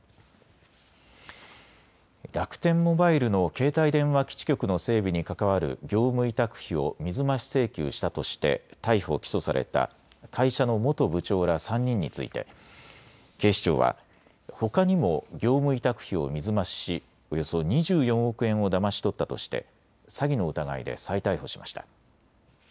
楽天モバイルの携帯電話基地局の整備に関わる業務委託費を水増し請求したとして逮捕・起訴された会社の元部長ら３人について警視庁はほかにも業務委託費を水増しし、およそ２４億円をだまし取ったとして詐欺の疑いで再逮捕しました。